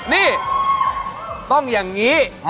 นี่ต้องอย่างนี้